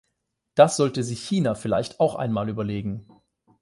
Das sollte sich China vielleicht auch einmal überlegen.